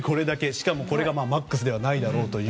しかもこれがマックスではないという。